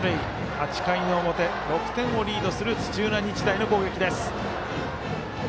８回の表、６点をリードする土浦日大の攻撃です。